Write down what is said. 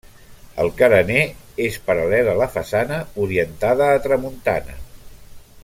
El carener és paral·lel a la façana, orientada a tramuntana.